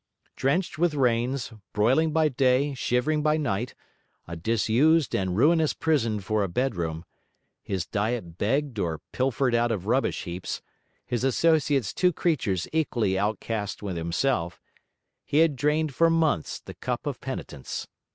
Drenched with rains, broiling by day, shivering by night, a disused and ruinous prison for a bedroom, his diet begged or pilfered out of rubbish heaps, his associates two creatures equally outcast with himself, he had drained for months the cup of penitence.